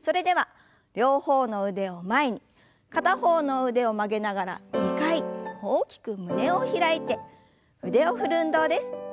それでは両方の腕を前に片方の腕を曲げながら２回大きく胸を開いて腕を振る運動です。